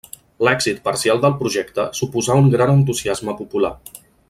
L'èxit parcial del projecte suposà un gran entusiasme popular.